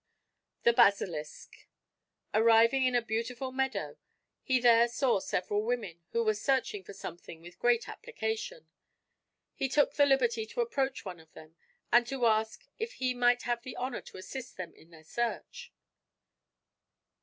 THE BASILISK Arriving in a beautiful meadow, he there saw several women, who were searching for something with great application. He took the liberty to approach one of them, and to ask if he might have the honor to assist them in their search.